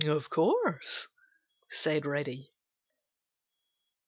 "Of course," said Reddy.